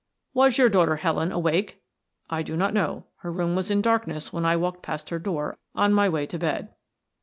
"Was your daughter Helen awake?" "I do not know. Her room was in darkness when I walked past her door on my way to bed."